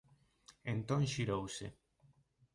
Entón xirouse.